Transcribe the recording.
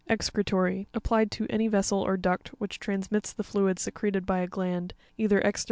Excre'rory.—Applied to any vessel or duct which transmits the fluid secreted by a gland, either exter.